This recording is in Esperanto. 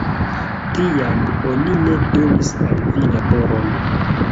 Tiam, oni ne donis al vi laboron.